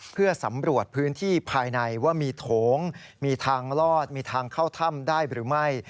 เพื่อสำรวจพื้นที่ภายในว่ามีโถงมีทางลอดมีทางเข้าถ้ำได้หรือไม่